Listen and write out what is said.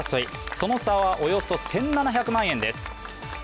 その差はおよそ１７００万円です。